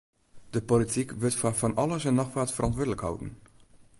De polityk wurdt foar fan alles en noch wat ferantwurdlik holden.